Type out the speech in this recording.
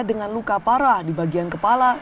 dengan luka parah di bagian kepala